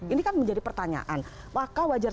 ini kan menjadi pertanyaan maka wajar